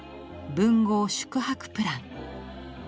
「文豪宿泊プラン」。